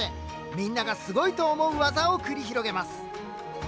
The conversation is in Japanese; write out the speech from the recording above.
みんながすごいと思う技を繰り広げます。